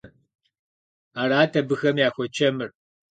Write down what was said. Арат абыхэм яхуэчэмыр.